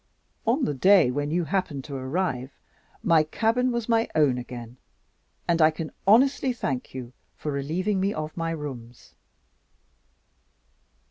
On the day when you happened to arrive, my cabin was my own again; and I can honestly thank you for relieving me of my rooms.